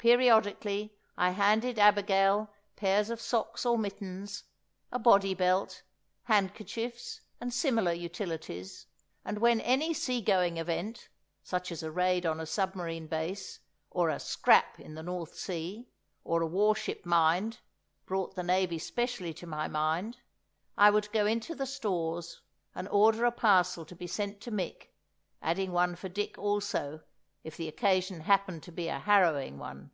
Periodically I handed Abigail pairs of socks or mittens, a body belt, handkerchiefs, and similar utilities; and when any sea going event, such as a raid on a submarine base, or a "scrap" in the North Sea, or a warship mined, brought the Navy specially to my mind, I would go into the Stores and order a parcel to be sent to Mick, adding one for Dick also, if the occasion happened to be a harrowing one.